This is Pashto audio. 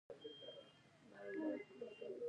په فارسي کې د جمع حالت په قافیه کې نه داخلیږي.